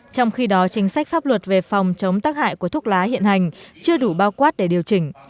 trong khi đó chính sách pháp luật về phòng chống tác hại của thuốc lá hiện hành chưa đủ bao quát để điều chỉnh